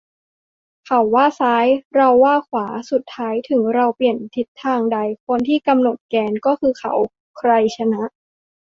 เขาว่าซ้าย เราว่าขวา สุดท้ายถึงเราเปลี่ยนทิศทางได้ คนที่กำหนดแกนก็คือเขา ใครชนะ ?